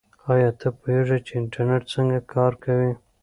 آیا ته پوهېږې چې انټرنیټ څنګه کار کوي؟